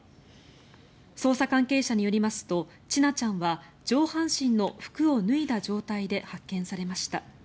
捜査関係者によりますと千奈ちゃんは上半身の服を脱いだ状態で発見されました。